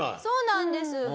そうなんです。